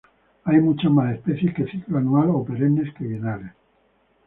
Hay muchas más especies de ciclo anual o perennes que bienales.